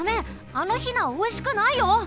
あのヒナおいしくないよ！